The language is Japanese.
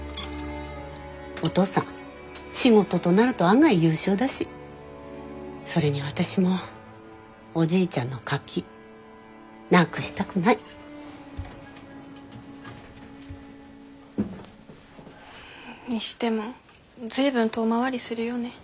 おとうさん仕事となると案外優秀だしそれに私もおじいちゃんのカキなくしたくない。にしても随分遠回りするよね。